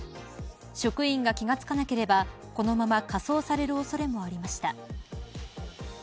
職員が気が付かなければこのまま火葬される恐れもありました。